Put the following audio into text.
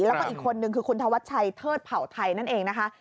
แล้วก็อีกคนนึงคือคุณธวัชชัยเทิดเผ่าไทยนั่นเองนะคะ